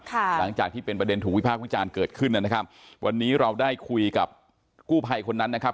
หลังจากที่เป็นประเด็นถูกวิพากษ์วิจารณ์เกิดขึ้นนะครับวันนี้เราได้คุยกับกู้ภัยคนนั้นนะครับ